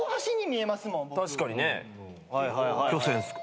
・確かにね。